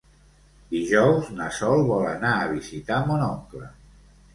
Dijous na Sol vol anar a visitar mon oncle.